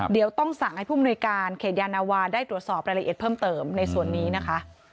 เดี๋ยวต้องสั่งให้ผู้มนุยการเขตยานาวาได้ตรวจสอบรายละเอียดเพิ่มเติมในส่วนนี้นะคะ